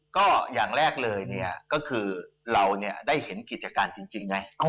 ก็อย่างแรกเลยเนี่ยก็คือเราได้เห็นกิจการจริงไง